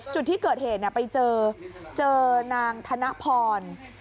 จุดที่เกิดเหตุไปเจอเจอนางธนพร